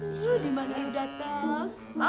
masuk dimana udah tak